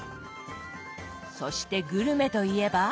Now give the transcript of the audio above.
そしてグルメといえば。